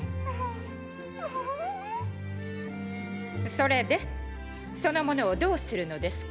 それでその者をどうするのですか？